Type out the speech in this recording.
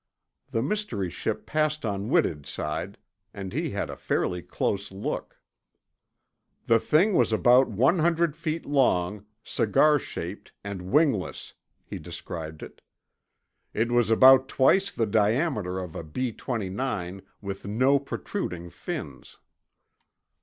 The mystery ship passed on Whitted's side, and he had a fairly close look. "The thing was about one hundred feet long, cigar shaped, and wingless," he described it. "It was about twice the diameter of a B twenty nine, with no protruding fins."